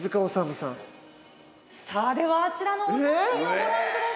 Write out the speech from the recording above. さぁではあちらのお写真をご覧ください。